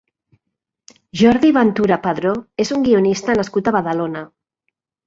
Jordi Ventura Padró és un guionista nascut a Badalona.